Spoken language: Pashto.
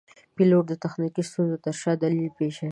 پیلوټ د تخنیکي ستونزو تر شا دلیل پېژني.